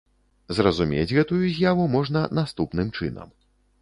Зразумець гэтую з'яву можна наступным чынам.